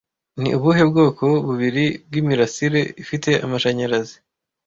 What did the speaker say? Ni ubuhe bwoko bubiri bw'imirasire ifite amashanyarazi